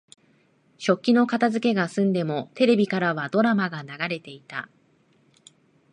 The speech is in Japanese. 食器の片づけが済んでも、テレビからはドラマが流れていた。